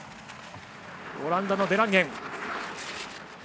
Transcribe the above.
オランダのデランゲン。